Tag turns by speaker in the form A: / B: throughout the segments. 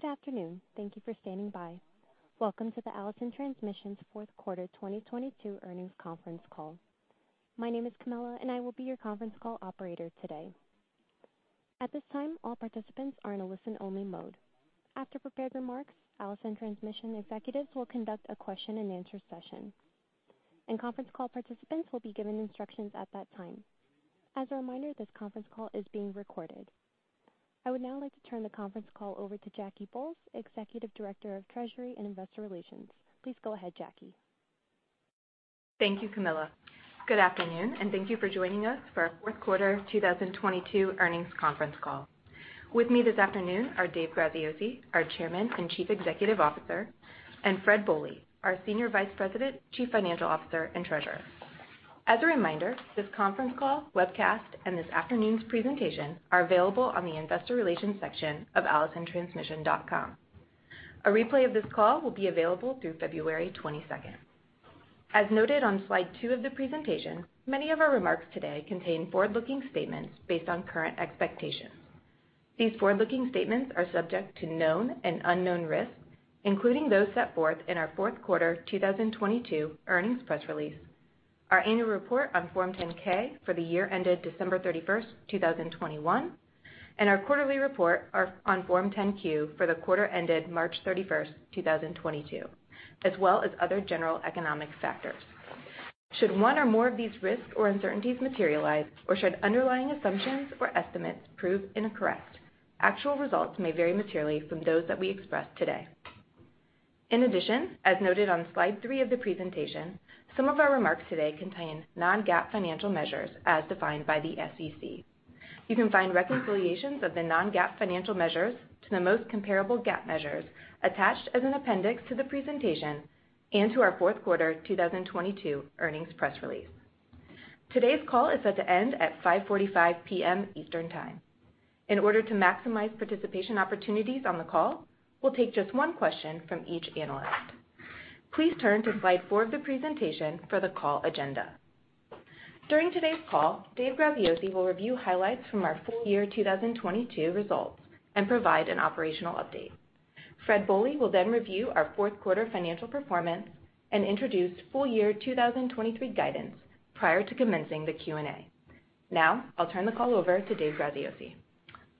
A: Good afternoon. Thank you for standing by. Welcome to the Allison Transmission's fourth quarter 2022 earnings conference call. My name is Camilla, and I will be your conference call operator today. At this time, all participants are in a listen only mode. After prepared remarks, Allison Transmission executives will conduct a Q&A session. Conference call participants will be given instructions at that time. As a reminder, this conference call is being recorded. I would now like to turn the conference call over to Jackie Bolles, Executive Director of Treasury and Investor Relations. Please go ahead, Jackie.
B: Thank you, Camilla. Good afternoon and thank you for joining us for our fourth quarter 2022 earnings conference call. With me this afternoon is Dave Graziosi, our Chairman and Chief Executive Officer, and Fred Bohley, our Senior Vice President, Chief Financial Officer, and Treasurer. As a reminder, this conference call, webcast, and this afternoon's presentation are available on the Investor Relations section of allisontransmission.com. A replay of this call will be available through February 22nd. As noted on slide two of the presentation, many of our remarks today contain forward-looking statements based on current expectations. These forward-looking statements are subject to known and unknown risks, including those set forth in our fourth quarter 2022 earnings press release, our annual report on Form 10-K for the year ended December 31st, 2021, and our quarterly report on Form 10-Q for the quarter ended March 31st, 2022, as well as other general economic factors. Should one or more of these risks or uncertainties materialize, or should underlying assumptions or estimates prove incorrect, actual results may vary materially from those that we express today. In addition, as noted on slide 3 of the presentation, some of our remarks today contain non-GAAP financial measures as defined by the SEC. You can find reconciliations of the non-GAAP financial measures to the most comparable GAAP measures attached as an appendix to the presentation and to our fourth quarter 2022 earnings press release. Today's call is set to end at 5:45 P.M. Eastern Time. In order to maximize participation opportunities on the call, we'll take just one question from each analyst. Please turn to slide four of the presentation for the call agenda. During today's call, Dave Graziosi will review highlights from our full year 2022 results and provide an operational update. Fred Bohley will then review our fourth quarter financial performance and introduce full year 2023 guidance prior to commencing the Q&A. I'll turn the call over to Dave Graziosi.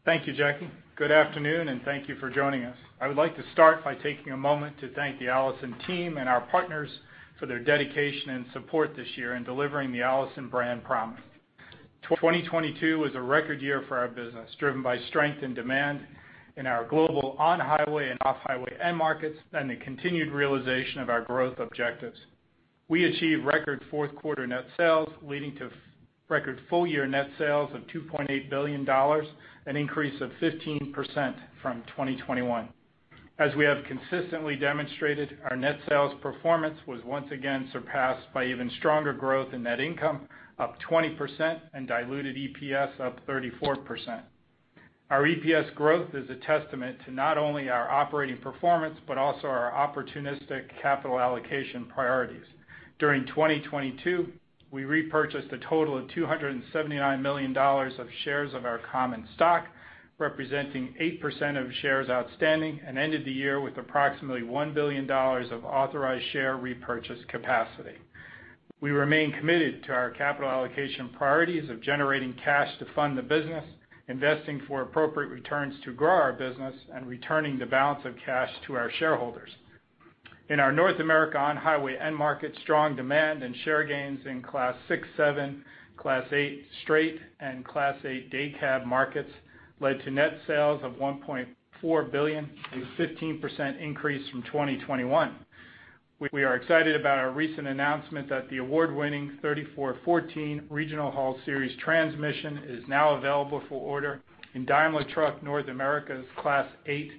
C: Thank you, Jackie. Good afternoon. Thank you for joining us. I would like to start by taking a moment to thank the Allison team and our partners for their dedication and support this year in delivering the Allison brand promise. 2022 was a record year for our business, driven by strength and demand in our global On-Highway and Off-Highway end markets and the continued realization of our growth objectives. We achieved record fourth quarter net sales, leading to record full year net sales of $2.8 billion, an increase of 15% from 2021. As we have consistently demonstrated, our net sales performance was once again surpassed by even stronger growth in net income, up 20%, and diluted EPS up 34%. Our EPS growth is a testament to not only our operating performance, but also our opportunistic capital allocation priorities. During 2022, we repurchased a total of $279 million of shares of our common stock, representing 8% of shares outstanding, and ended the year with approximately $1 billion of authorized share repurchase capacity. We remain committed to our capital allocation priorities of generating cash to fund the business, investing for appropriate returns to grow our business, and returning the balance of cash to our shareholders. In our North America On-Highway end market, strong demand and share gains in Class 6, 7, Class 8 straight, and Class 8-day cab markets led to net sales of $1.4 billion, a 15% increase from 2021. We are excited about our recent announcement that the award-winning 3414 Regional Haul Series transmission is now available for order in Daimler Truck North America's Class 8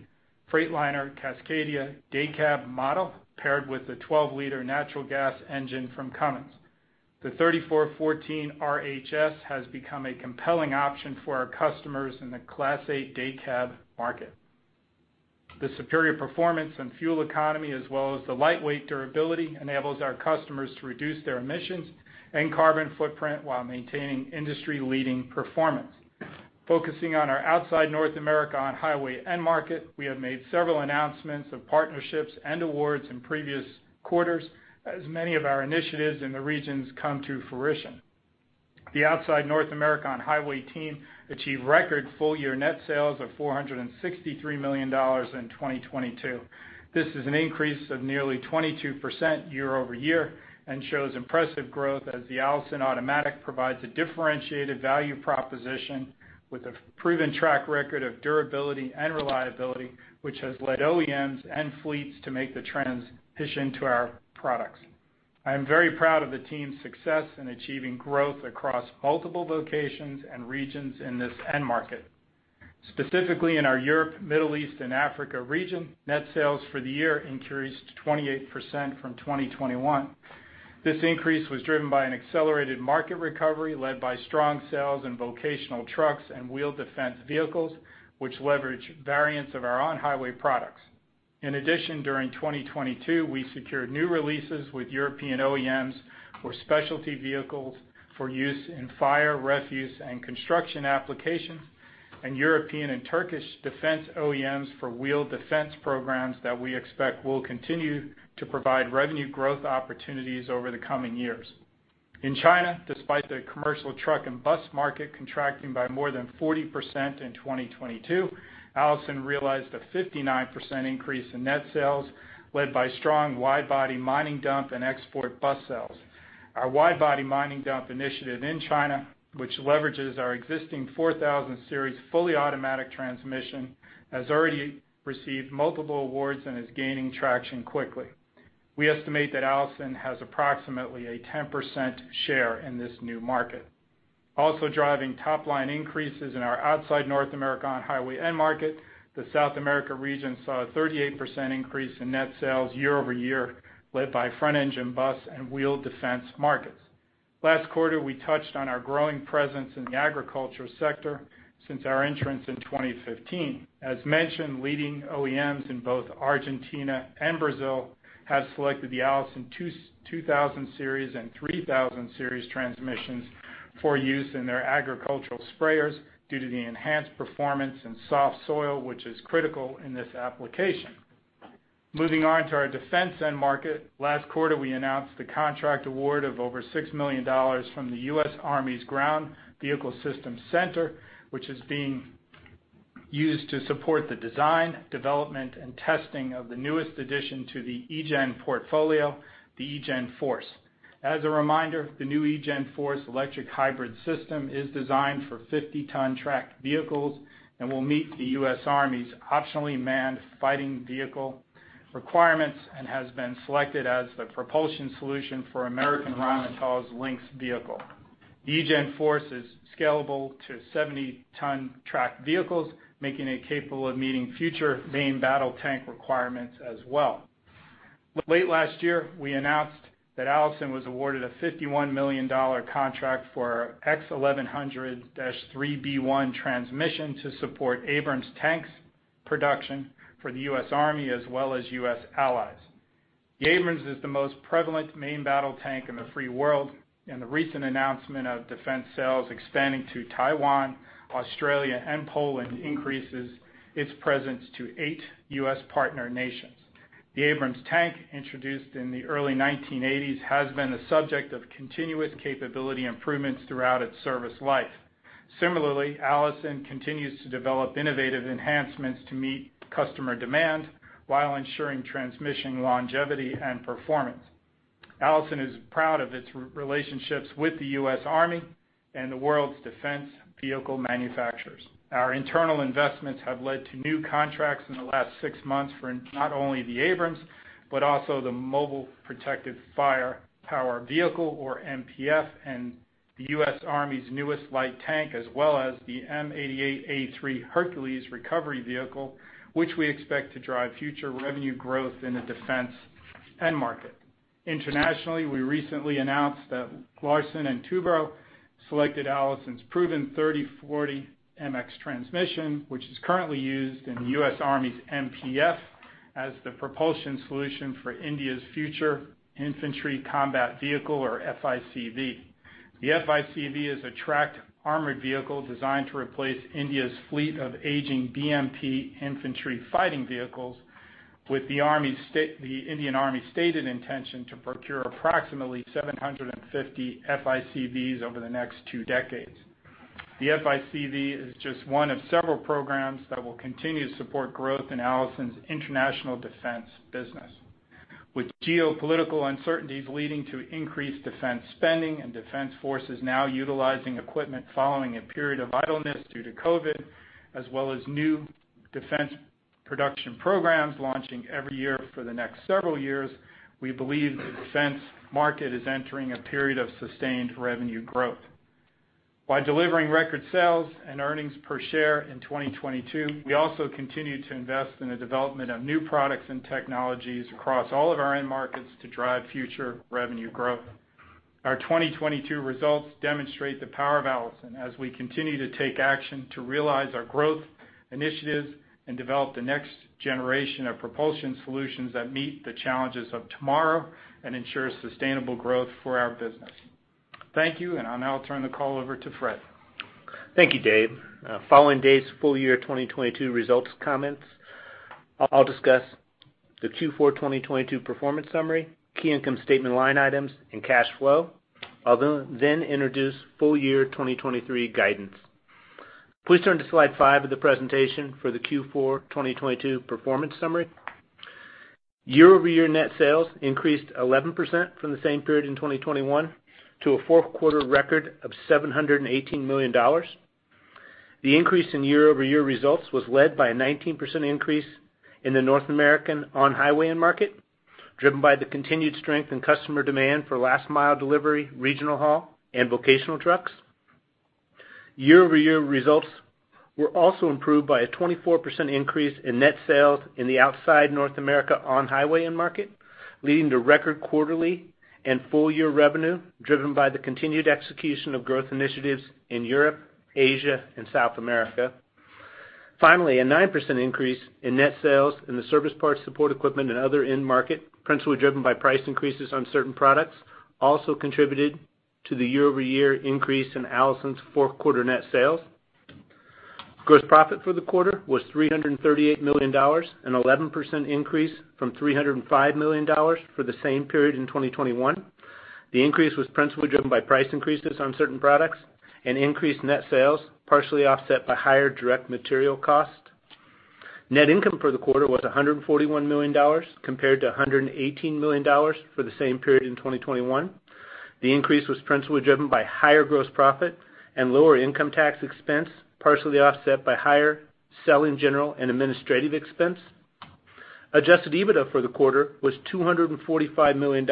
C: Freightliner Cascadia day cab model, paired with a 12 L natural gas engine from Cummins. The 3414 RHS has become a compelling option for our customers in the Class 8-day cab market. The superior performance and fuel economy, as well as the lightweight durability, enables our customers to reduce their emissions and carbon footprint while maintaining industry-leading performance. Focusing on our outside North America On-Highway end market, we have made several announcements of partnerships and awards in previous quarters as many of our initiatives in the regions come to fruition. The outside North America On-Highway team achieved record full year net sales of $463 million in 2022. This is an increase of nearly 22% year-over-year and shows impressive growth as the Allison Automatic provides a differentiated value proposition with a proven track record of durability and reliability, which has led OEMs and fleets to make the transition to our products. I am very proud of the team's success in achieving growth across multiple locations and regions in this end market. Specifically in our Europe, Middle East, and Africa region, net sales for the year increased 28% from 2021. This increase was driven by an accelerated market recovery led by strong sales in vocational trucks and wheel defense vehicles, which leverage variants of our On-Highway products. During 2022, we secured new releases with European OEMs for specialty vehicles for use in fire, refuse, and construction applications, and European and Turkish defense OEMs for wheeled defense programs that we expect will continue to provide revenue growth opportunities over the coming years. In China, despite the commercial truck and bus market contracting by more than 40% in 2022, Allison realized a 59% increase in net sales, led by strong wide body mining dump and export bus sales. Our wide body mining dump initiative in China, which leverages our existing 4000 Series fully automatic transmission, has already received multiple awards and is gaining traction quickly. We estimate that Allison has approximately a 10% share in this new market. Driving top line increases in our outside North America On-Highway end market, the South America region saw a 38% increase in net sales year-over-year, led by front-engine bus and wheeled defense markets. Last quarter, we touched on our growing presence in the agriculture sector since our entrance in 2015. As mentioned, leading OEMs in both Argentina and Brazil have selected the Allison 2000 Series and 3000 Series transmissions for use in their agricultural sprayers due to the enhanced performance in soft soil, which is critical in this application. Moving on to our defense end market. Last quarter, we announced the contract award of over $6 million from the U.S. Army's Ground Vehicle Systems Center, which is being used to support the design, development, and testing of the newest addition to the eGen portfolio, the eGen Force. As a reminder, the new eGen Force electric hybrid system is designed for 50 ton tracked vehicles and will meet the U.S. Army's Optionally Manned Fighting Vehicle requirements and has been selected as the propulsion solution for American Rheinmetall Vehicles' Lynx vehicle. The eGen Force is scalable to 70 ton tracked vehicles, making it capable of meeting future main battle tank requirements as well. Late last year, we announced that Allison was awarded a $51 million contract for X1100-3B1 transmission to support Abrams tanks production for the U.S. Army as well as U.S. allies. The Abrams is the most prevalent main battle tank in the free world, and the recent announcement of defense sales expanding to Taiwan, Australia, and Poland increases its presence to 8 US partner nations. The Abrams tank, introduced in the early 1980s, has been the subject of continuous capability improvements throughout its service life. Similarly, Allison continues to develop innovative enhancements to meet customer demand while ensuring transmission longevity and performance. Allison is proud of its relationships with the U.S. Army and the world's defense vehicle manufacturers. Our internal investments have led to new contracts in the last six months for not only the Abrams, but also the Mobile Protected Firepower vehicle, or MPF, and the U.S. Army's newest light tank, as well as the M88A3 HERCULES recovery vehicle, which we expect to drive future revenue growth in the defense end market. Internationally, we recently announced that Larsen & Toubro selected Allison's proven 3040 MX transmission, which is currently used in the U.S. Army's MPF, as the propulsion solution for India's Future Infantry Combat Vehicle, or FICV. The FICV is a tracked armored vehicle designed to replace India's fleet of aging BMP infantry fighting vehicles with the Indian Army's stated intention to procure approximately 750 FICVs over the next two decades. The FICV is just one of several programs that will continue to support growth in Allison's international defense business. With geopolitical uncertainties leading to increased defense spending and defense forces now utilizing equipment following a period of idleness due to COVID, as well as new defense production programs launching every year for the next several years, we believe the defense market is entering a period of sustained revenue growth. By delivering record sales and earnings per share in 2022, we also continued to invest in the development of new products and technologies across all of our end markets to drive future revenue growth. Our 2022 results demonstrate the power of Allison as we continue to take action to realize our growth initiatives and develop the next generation of propulsion solutions that meet the challenges of tomorrow and ensure sustainable growth for our business. Thank you, and I'll now turn the call over to Fred.
D: Thank you, Dave. Following Dave's full year 2022 results comments, I'll discuss the Q4 2022 performance summary, key income statement line items, and cash flow. I'll introduce full year 2023 guidance. Please turn to slide five of the presentation for the Q4 2022 performance summary. Year-over-year net sales increased 11% from the same period in 2021 to a fourth quarter record of $718 million. The increase in year-over-year results was led by a 19% increase in the North American On-Highway end market, driven by the continued strength in customer demand for last mile delivery, regional haul, and vocational trucks. Year-over-year results were also improved by a 24% increase in net sales in the outside North America On-Highway end market, leading to record quarterly and full year revenue, driven by the continued execution of growth initiatives in Europe, Asia, and South America. A 9% increase in net sales in the service parts, support equipment and other end market, principally driven by price increases on certain products, also contributed to the year-over-year increase in Allison's fourth quarter net sales. Gross profit for the quarter was $338 million, an 11% increase from $305 million for the same period in 2021. The increase was principally driven by price increases on certain products and increased net sales, partially offset by higher direct material costs. Net income for the quarter was $141 million compared to $118 million for the same period in 2021. The increase was principally driven by higher gross profit and lower income tax expense, partially offset by higher selling, general and administrative expense. Adjusted EBITDA for the quarter was $245 million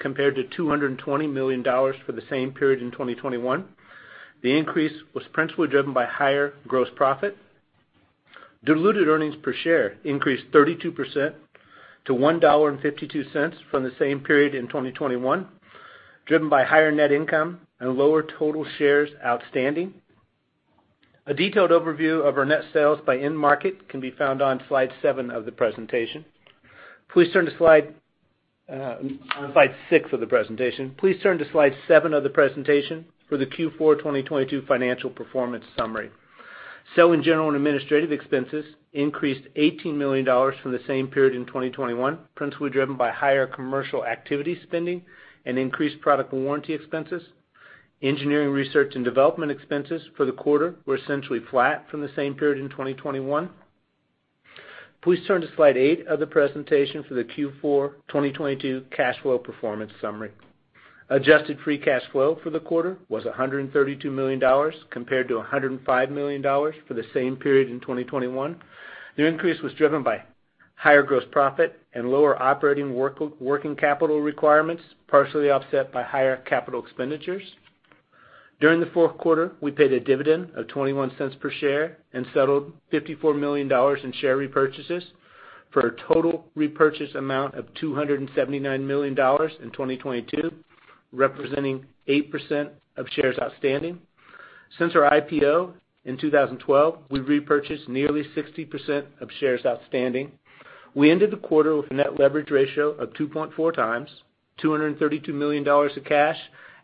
D: compared to $220 million for the same period in 2021. The increase was principally driven by higher gross profit. Diluted earnings per share increased 32% to $1.52 from the same period in 2021, driven by higher net income and lower total shares outstanding. A detailed overview of our net sales by end market can be found on slide seven of the presentation. Please turn to slide six of the presentation. Please turn to slide seven of the presentation for the Q4 2022 financial performance summary. Selling, General and Administrative expenses increased $18 million from the same period in 2021, principally driven by higher commercial activity spending and increased product warranty expenses. Engineering, Research and Development expenses for the quarter were essentially flat from the same period in 2021. Please turn to slide eight of the presentation for the Q4 2022 cash flow performance summary. Adjusted free cash flow for the quarter was $132 million compared to $105 million for the same period in 2021. The increase was driven by higher gross profit and lower operating working capital requirements, partially offset by higher capital expenditures. During the fourth quarter, we paid a dividend of $0.21 per share and settled $54 million in share repurchases for a total repurchase amount of $279 million in 2022, representing 8% of shares outstanding. Since our IPO in 2012, we've repurchased nearly 60% of shares outstanding. We ended the quarter with a net leverage ratio of 2.4x, $232 million of cash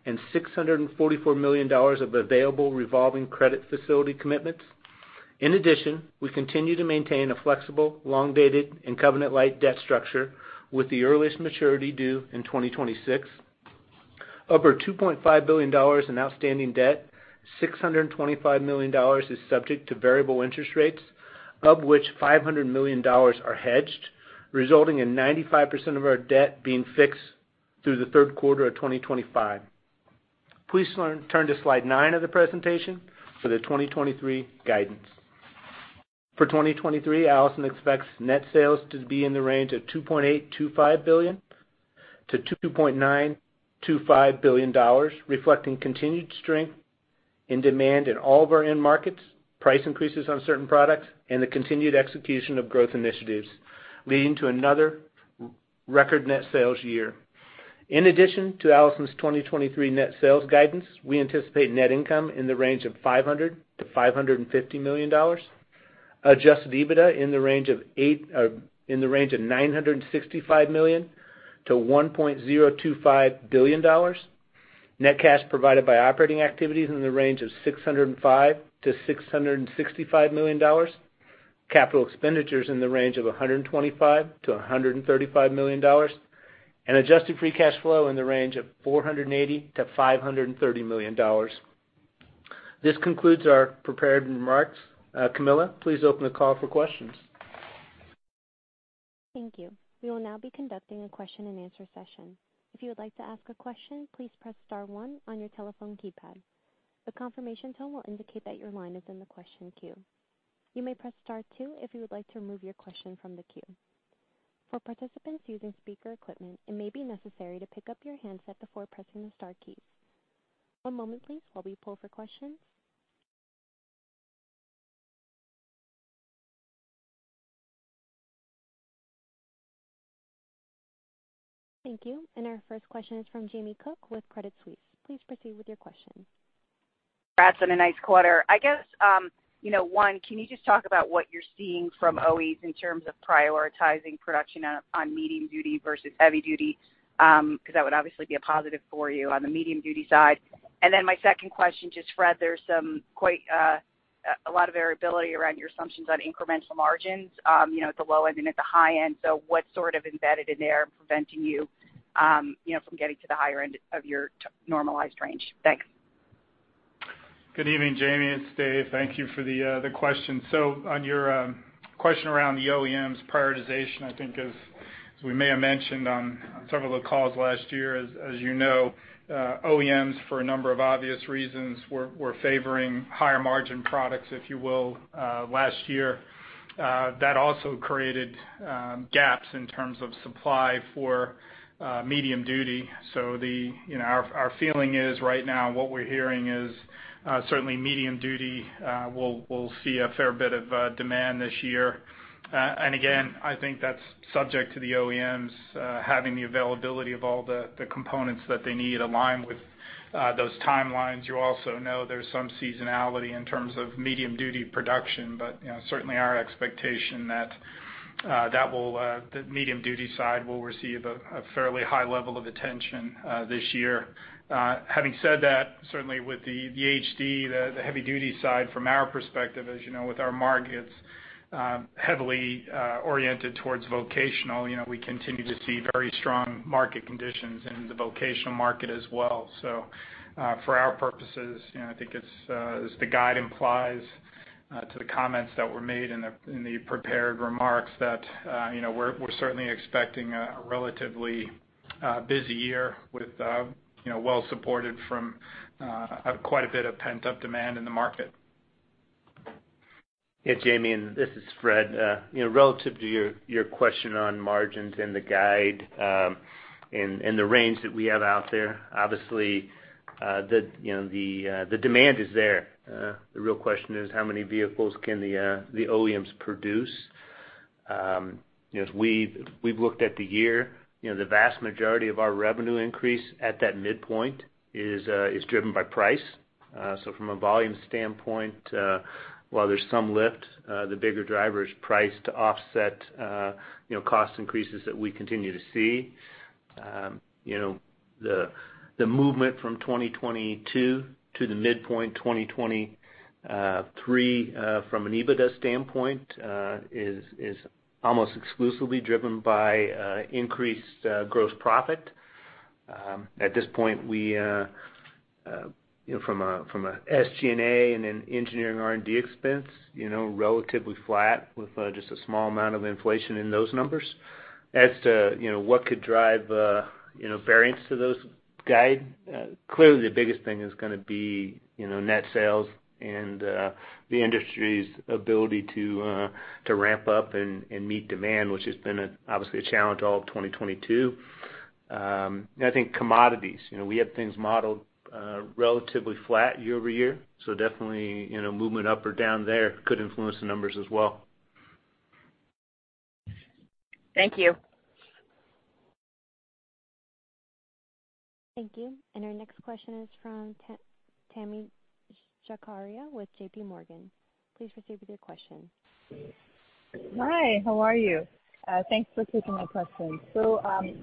D: and $644 million of available revolving credit facility commitments. In addition, we continue to maintain a flexible, long-dated and covenant light debt structure with the earliest maturity due in 2026. Of our $2.5 billion in outstanding debt, $625 million is subject to variable interest rates, of which $500 million are hedged, resulting in 95% of our debt being fixed through the third quarter of 2025. Please turn to slide nine of the presentation for the 2023 guidance. For 2023, Allison expects net sales to be in the range of $2.825 billion-$2.925 billion, reflecting continued strength in demand in all of our end markets, price increases on certain products and the continued execution of growth initiatives, leading to another record net sales year. In addition to Allison's 2023 net sales guidance, we anticipate net income in the range of $500 million-$550 million. Adjusted EBITDA in the range of $965 million to $1.025 billion. Net cash provided by operating activities in the range of $605 million-$665 million. Capital expenditures in the range of $125 million-$135 million. Adjusted free cash flow in the range of $480 million-$530 million. This concludes our prepared remarks. Camilla, please open the call for questions.
A: Thank you. We will now be conducting a Q&A session. If you would like to ask a question, please press star one on your telephone keypad. The confirmation tone will indicate that your line is in the question queue. You may press star two if you would like to remove your question from the queue. For participants using speaker equipment, it may be necessary to pick up your handset before pressing the star keys. One moment please while we pull for questions. Thank you. And our first question is from Jamie Cook with Credit Suisse. Please proceed with your question.
E: Congrats on a nice quarter. I guess, you know, one, can you just talk about what you're seeing from OEMs in terms of prioritizing production on medium duty versus heavy duty? 'Cause that would obviously be a positive for you on the medium duty side. My second question, just Fred, there's some quite a lot of variability around your assumptions on incremental margins, you know, at the low end and at the high end. What's sort of embedded in there preventing you know, from getting to the higher end of your normalized range? Thanks.
C: Good evening, Jamie. It's Dave. Thank you for the question. On your question around the OEMs prioritization, I think as we may have mentioned on several of the calls last year, as you know, OEMs for a number of obvious reasons were favoring higher margin products, if you will, last year. That also created gaps in terms of supply for medium duty. The, you know, our feeling is right now what we're hearing is certainly medium duty will see a fair bit of demand this year. Again, I think that's subject to the OEMs, having the availability of all the components that they need aligned with those timelines. You also know there's some seasonality in terms of medium-duty production. You know, certainly our expectation that that will the medium-duty side will receive a fairly high level of attention this year. Having said that, certainly with the HD, the heavy-duty side from our perspective, as you know, with our markets, heavily oriented towards vocational, you know, we continue to see very strong market conditions in the vocational market as well. For our purposes, you know, I think it's as the guide implies, to the comments that were made in the prepared remarks that, you know, we're certainly expecting a relatively busy year with, you know, well supported from quite a bit of pent-up demand in the market.
D: Jamie, this is Fred. you know, relative to your question on margins and the guide, and the range that we have out there, obviously, the, you know, the demand is there. you know, as we've looked at the year, you know, the vast majority of our revenue increase at that midpoint is driven by price. From a volume standpoint, while there's some lift, the bigger driver is price to offset, you know, cost increases that we continue to see. you know, the movement from 2022 to the midpoint 2023 from an EBITDA standpoint is almost exclusively driven by increased gross profit. At this point, we, you know, from a, from a SG&A and an engineering R&D expense, you know, relatively flat with just a small amount of inflation in those numbers. As to, you know, what could drive, you know, variance to those guides, clearly the biggest thing is gonna be, you know, net sales and the industry's ability to ramp up and meet demand, which has been obviously a challenge all of 2022. I think commodities. You know, we have things modeled relatively flat year-over-year, so definitely, you know, movement up or down there could influence the numbers as well.
E: Thank you.
A: Thank you. Our next question is from Tami Zakaria with JPMorgan. Please proceed with your question.
F: Hi, how are you? Thanks for taking my question.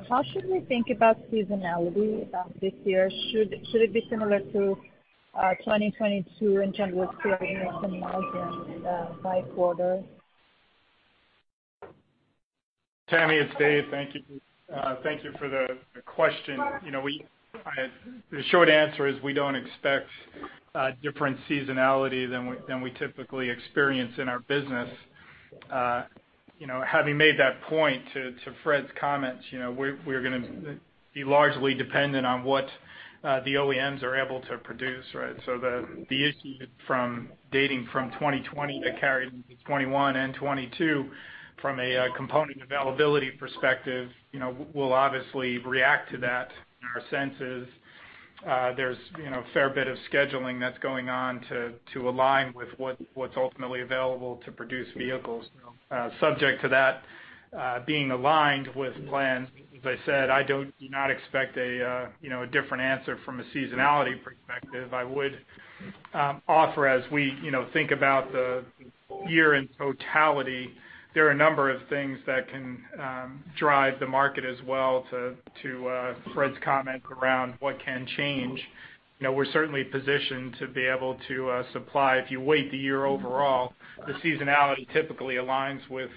F: How should we think about seasonality this year? Should it be similar to 2022 in terms of seasonality and by quarter?
C: Tami, it's Dave. Thank you. Thank you for the question. You know, the short answer is we don't expect different seasonality than we, than we typically experience in our business. You know, having made that point to Fred's comments, you know, we're gonna be largely dependent on what the OEMs are able to produce, right? The issue dating from 2020 that carried into 2021 and 2022 from a component availability perspective, you know, we'll obviously react to that. Our sense is, there's, you know, a fair bit of scheduling that's going on to align with what's ultimately available to produce vehicles. You know, subject to that being aligned with plans, as I said, I don't do not expect a, you know, a different answer from a seasonality perspective. I would offer as we, you know, think about the year in totality, there are a number of things that can drive the market as well to Fred's comment around what can change. You know, we're certainly positioned to be able to supply. If you weight the year overall, the seasonality typically aligns with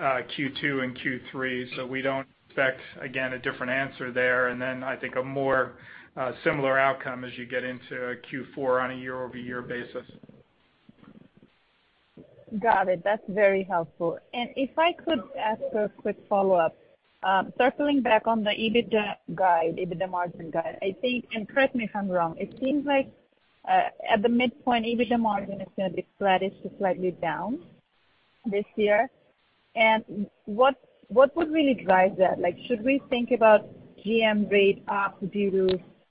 C: Q2 and Q3, so we don't expect, again, a different answer there. I think a more similar outcome as you get into Q4 on a year-over-year basis.
F: Got it. That's very helpful. If I could ask a quick follow-up. Circling back on the EBITDA guide, EBITDA margin guide, I think, correct me if I'm wrong, it seems like, at the midpoint, EBITDA margin is gonna be flattish to slightly down this year. What would really drive that? Like, should we think about GM rate up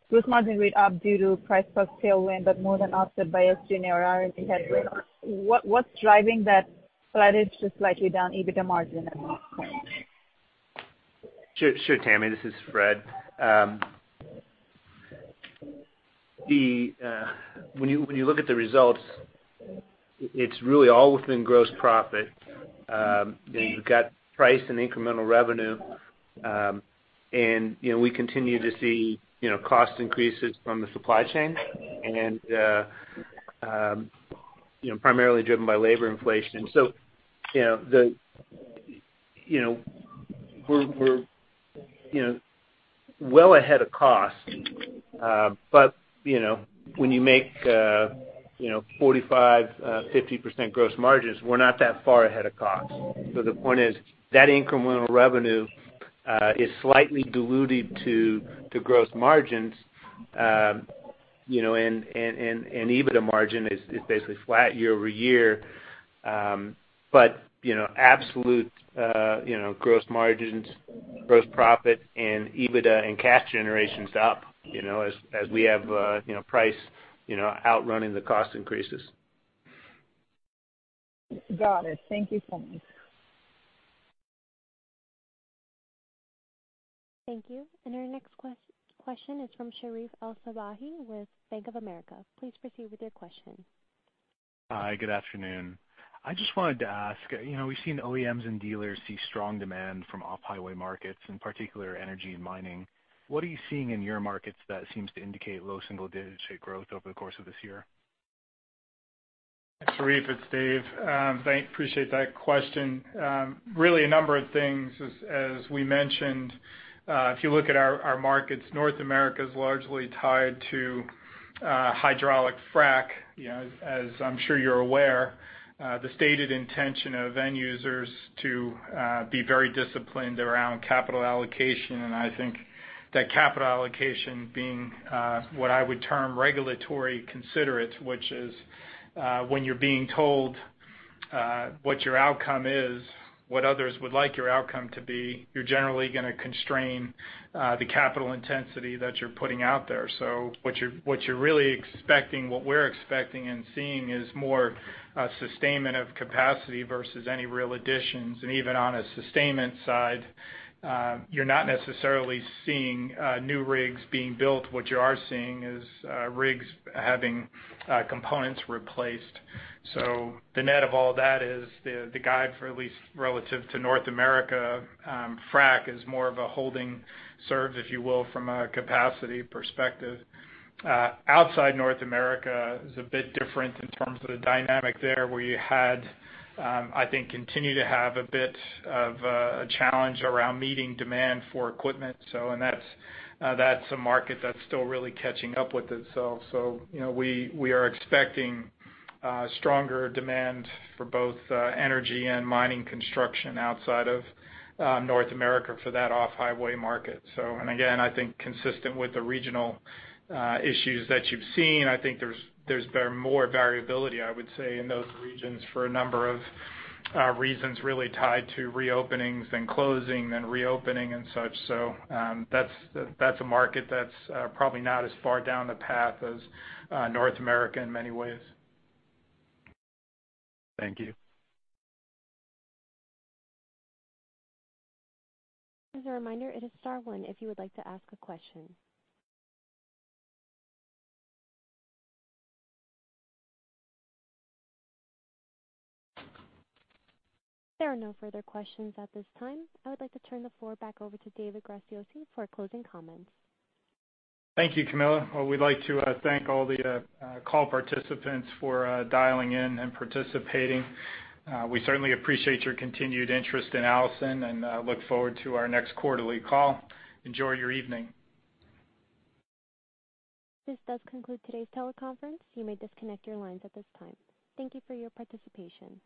F: gross margin rate up due to price plus tailwind, but more than offset by SG&A head rate? What, what's driving that flattish to slightly down EBITDA margin at this point?
D: Sure. Sure, Tami. This is Fred. When you look at the results, it's really all within gross profit. You know, you've got price and incremental revenue. You know, we continue to see, you know, cost increases from the supply chain and, primarily driven by labor inflation. The, you know, we're, you know, well ahead of cost. You know, when you make, you know, 45-50% gross margins, we're not that far ahead of cost. The point is that incremental revenue, is slightly diluted to gross margins, you know, and EBITDA margin is basically flat year-over-year.you know, absolute, you know, gross margins, gross profit and EBITDA and cash generation's up, you know, as we have, you know, price, you know, outrunning the cost increases.
F: Got it. Thank you so much.
A: Thank you. Our next question is from Sherif El-Sabbahy with Bank of America. Please proceed with your question.
G: Hi, good afternoon. I just wanted to ask, you know, we've seen OEMs and dealers see strong demand from Off-Highway markets, in particular energy and mining. What are you seeing in your markets that seems to indicate low single-digit shape growth over the course of this year?
C: Sherif, it's Dave. Appreciate that question. Really a number of things as we mentioned, if you look at our markets, North America's largely tied to hydraulic frack. You know, as I'm sure you're aware, the stated intention of end users to be very disciplined around capital allocation. I think that capital allocation being what I would term regulatory considerate, which is, when you're being told, what your outcome is, what others would like your outcome to be, you're generally gonna constrain the capital intensity that you're putting out there. What you're, what you're really expecting, what we're expecting and seeing is more sustainment of capacity versus any real additions. Even on a sustainment side, you're not necessarily seeing new rigs being built. What you are seeing is rigs having components replaced. The net of all that is the guide for at least relative to North America, frack is more of a holding serve, if you will, from a capacity perspective. Outside North America is a bit different in terms of the dynamic there, where you had, I think continue to have a bit of a challenge around meeting demand for equipment. That's a market that's still really catching up with itself. You know, we are expecting stronger demand for both energy and mining construction outside of North America for that Off-Highway market. And again, I think consistent with the regional issues that you've seen, I think there's been more variability, I would say, in those regions for a number of reasons really tied to reopenings and closing and reopening and such. That's a market that's probably not as far down the path as North America in many ways.
G: Thank you.
A: As a reminder, it is star one if you would like to ask a question. There are no further questions at this time. I would like to turn the floor back over to David Graziosi for closing comments.
C: Thank you, Camilla. Well, we'd like to thank all the call participants for dialing in and participating. We certainly appreciate your continued interest in Allison, and look forward to our next quarterly call. Enjoy your evening.
A: This does conclude today's teleconference. You may disconnect your lines at this time. Thank you for your participation.